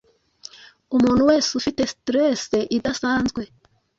umuntu wese ufite stress idasanzwe